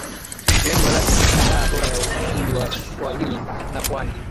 Lengo lake ni sanaa bora ya utamaduni wa Swahili na pwani